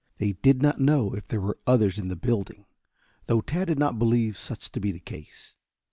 They did not know if there were others in the building, though Tad did not believe such to be the case.